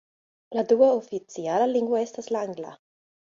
La dua oficiala lingvo estas la angla.